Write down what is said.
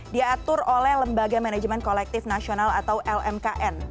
diatur oleh lembaga manajemen kolektif nasional atau lmkn